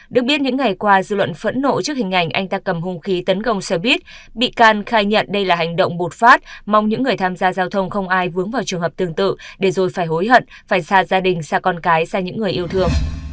được biết những ngày qua dư luận phẫn nộ trước hình ảnh anh ta cầm hung khí tấn công xe buýt bị can khai nhận đây là hành động bột phát mong những người tham gia giao thông không ai vướng vào trường hợp tương tự để rồi phải hối hận phải xa gia đình xa con cái ra những người yêu thương